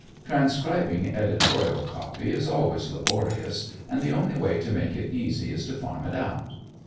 Transcribing editorial copy is always laborious, and the only way to make it easy is to farm it out.